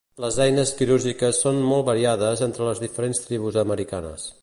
Les eines quirúrgiques són molt variades entre les diferents tribus americanes.